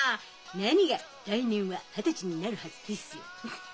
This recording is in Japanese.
なにが「来年は二十歳になるはずです」よ。